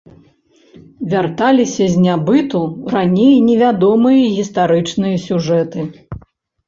Вярталіся з нябыту раней не вядомыя гістарычныя сюжэты.